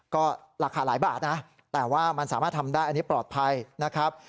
ก็ราคาหลายบาทนะแต่ว่ามันสามารถทำได้อันนี้ปลอดภัยนะครับ